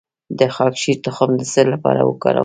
د خاکشیر تخم د څه لپاره وکاروم؟